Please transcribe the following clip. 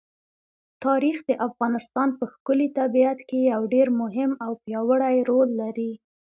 تاریخ د افغانستان په ښکلي طبیعت کې یو ډېر مهم او پیاوړی رول لري.